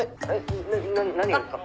な何がですか？